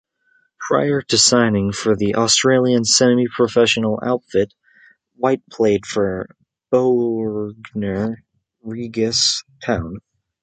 Prior to signing for the Australian semi-professional outfit, White played for Bognor Regis Town.